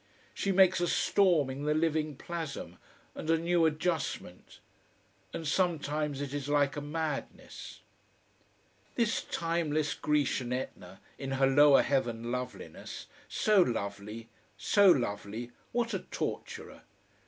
She makes a storm in the living plasm and a new adjustment. And sometimes it is like a madness. This timeless Grecian Etna, in her lower heaven loveliness, so lovely, so lovely, what a torturer!